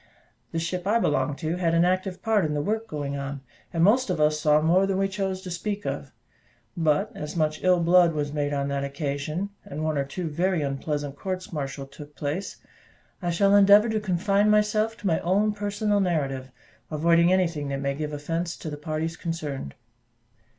The ship I belonged to had an active part in the work going on, and most of us saw more than we chose to speak of; but as much ill blood was made on that occasion, and one or two very unpleasant courts martial took place, I shall endeavour to confine myself to my own personal narrative, avoiding anything that may give offence to the parties concerned.